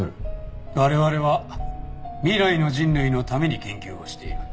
我々は未来の人類のために研究をしている。